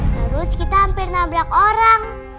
terus kita hampir nabrak orang